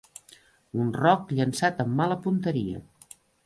Un roc llançat amb mala punteria.